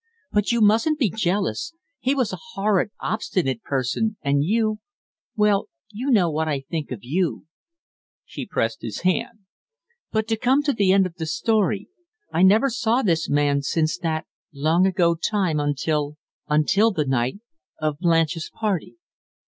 But you mustn't be jealous; he was a horrid, obstinate person, and you well, you know what I think of you " She pressed his hand. "But to come to the end of the story, I never saw this man since that long ago time, until until the night of Blanche's party!"